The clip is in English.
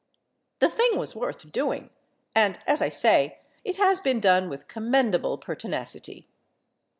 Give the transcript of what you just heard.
The thing was worth doing, and, as I say, it has been done with commendable pertinacity.